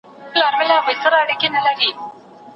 درس به په ارامه فضا کي وړاندې سي.